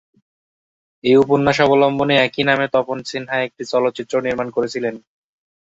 এই উপন্যাস অবলম্বনে একই নামে তপন সিনহা একটি চলচ্চিত্রও নির্মাণ করেছিলেন।